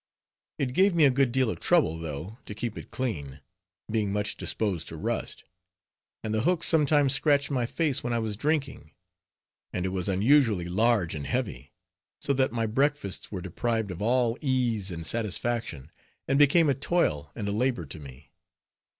It gave me a good deal of trouble, though, to keep it clean, being much disposed to rust; and the hooks sometimes scratched my face when I was drinking; and it was unusually large and heavy; so that my breakfasts were deprived of all ease and satisfaction, and became a toil and a labor to me.